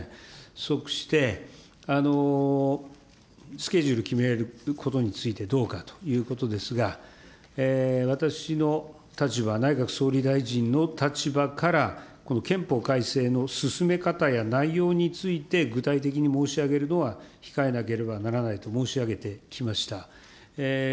そして、スケジュール決めることについてどうかということですが、私の立場、内閣総理大臣の立場から、憲法改正の進め方や内容について具体的に申し上げるのは控えなければならないと申し上げてきました。